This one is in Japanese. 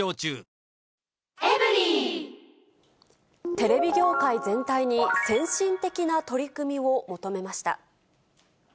テレビ業界全体に先進的な取り組みを求めました。